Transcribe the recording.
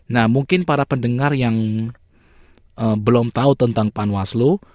nah mungkin para pendengar yang belum tahu tentang panwaslu